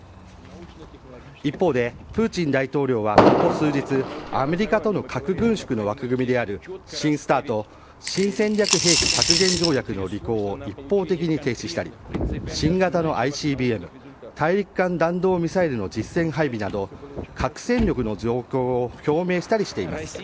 一方でプーチン大統領はここ数日あとの核軍縮の枠組みである新ＳＴＡＲＴ・新戦略兵器削減条約の履行を一方的に停止したり新型のＩＣＢＭ・大陸間弾道ミサイルの実戦配備など核戦力の増強を表明しています。